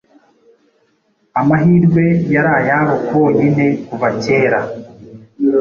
amahirwe yari ayabo bonyine kuva kera.